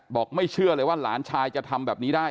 จนกระทั่งหลานชายที่ชื่อสิทธิชัยมั่นคงอายุ๒๙เนี่ยรู้ว่าแม่กลับบ้าน